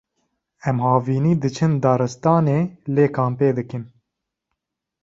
em havînî diçin daristanê lê kampê dikin